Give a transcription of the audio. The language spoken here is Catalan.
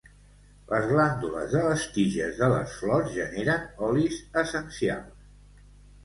Les glàndules de les tiges de les flors generen olis essencials.